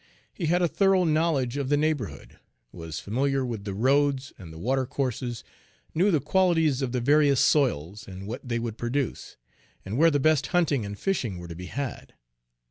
He had a thorough knowledge of the neighborhood, was familiar with the roads and the watercourses, knew the qualities of the various soils and what they would produce, and where the best hunting and fishing were to be had.